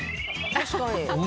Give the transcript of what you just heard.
確かに。